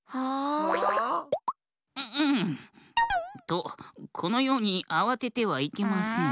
とこのようにあわててはいけません。